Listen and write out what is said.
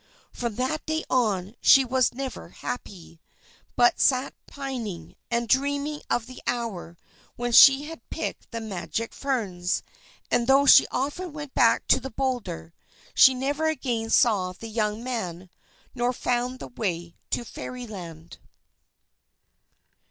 From that day on, she was never happy, but sat pining, and dreaming of the hour when she had picked the magic ferns. And though she often went back to the boulder, she never again saw the young man, nor found the way to Fairyland.